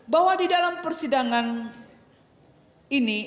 bahwa di dalam persidangan ini